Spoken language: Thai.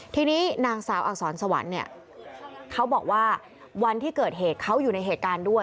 ทีนี้นางสาวอักษรสวรรค์เนี่ยเขาบอกว่าวันที่เกิดเหตุเขาอยู่ในเหตุการณ์ด้วย